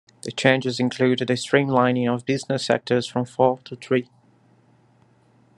The changes include the streamlining of business sectors from four to three.